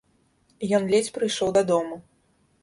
Ён ледзь прыйшоў дадому.